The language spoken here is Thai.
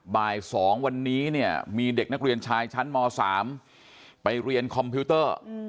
บ่าย๒วันนี้เนี่ยมีเด็กนักเรียนชายชั้นม๓ไปเรียนคอมพิวเตอร์